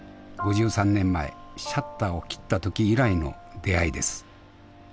５３年前シャッターを切った時以来の出会いです。